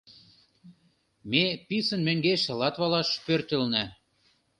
Ме писын мӧҥгеш Латвалаш пӧртылна.